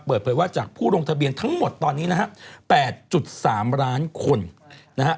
เปิดเผยว่าจากผู้ลงทะเบียนทั้งหมดตอนนี้นะฮะ๘๓ล้านคนนะฮะ